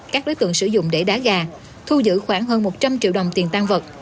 các đối tượng sử dụng để đá gà thu giữ khoảng hơn một trăm linh triệu đồng tiền tan vật